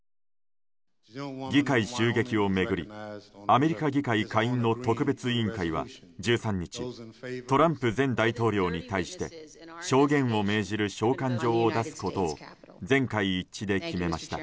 議会襲撃を巡りアメリカ議会下院の特別委員会は１３日トランプ前大統領に対して証言を命じる召喚状を出すことを全会一致で決めました。